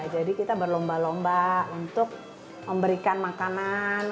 jadi kita berlomba lomba untuk memberikan makanan